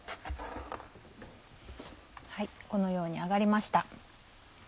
このように揚がりました。